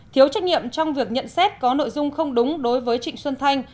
thiếu trách nhiệm trong việc nhận xét có nội dung không đúng đối với trịnh xuân thanh